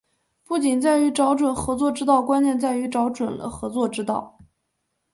不仅在于找准合作之道，关键在于找准了合作之道